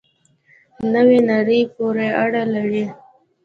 نوې نړۍ پورې اړه لري.